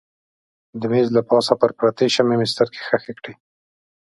د مېز له پاسه پر پرتې شمعې مې سترګې ښخې کړې.